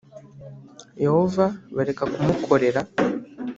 Yehova bareka kumukorera